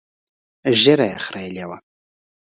ږيره يې خرييلې وه.